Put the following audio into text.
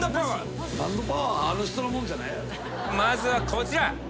まずはこちら。